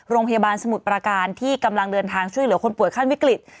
สมุทรประการที่กำลังเดินทางช่วยเหลือคนป่วยขั้นวิกฤต